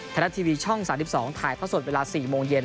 ไทยรัฐทีวีช่อง๓๒ถ่ายท่อสดเวลา๔โมงเย็น